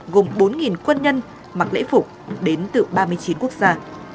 gồm bốn quân nhân mặc lễ phục đến từ ba mươi chín quốc gia